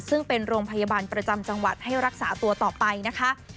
ซึ่งเป็นโรงพยาบาลประจำจังหวัดให้รักษาตัวต่อไปนะคะ